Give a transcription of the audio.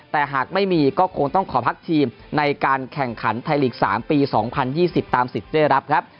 แต่หากไม่มีก็คงต้องขอพักทีมในการแข่งขันไทยลีก๓ปี๒๐๒๐ตามสิทธิ์ได้รับครับ